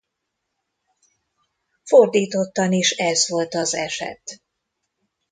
Fordítottan is ez volt az eset.